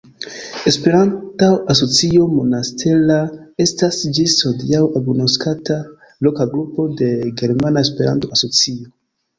Esperanto-Societo Monastera estas ĝis hodiaŭ agnoskata loka grupo de Germana Esperanto-Asocio.